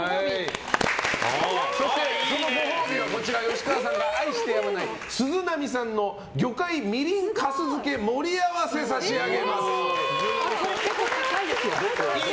そして、そのご褒美は吉川さんが愛してやまない鈴波さんの魚介みりん粕漬盛り合わせをこれ、結構高いですよ！